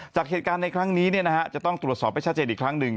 จากเหตุการณ์ในครั้งนี้จะต้องตรวจสอบให้ชัดเจนอีกครั้งหนึ่ง